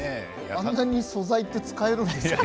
本当に素材って使えるんですね。